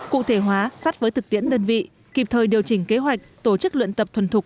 cụ thể hóa sát với thực tiễn đơn vị kịp thời điều chỉnh kế hoạch tổ chức luyện tập thuần thục